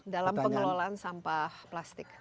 dalam pengelolaan sampah plastik